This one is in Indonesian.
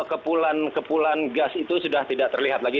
kepulan kepulan gas itu sudah tidak terlihat lagi